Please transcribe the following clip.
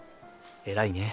偉いね。